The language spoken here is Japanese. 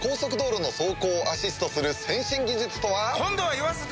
今度は言わせて！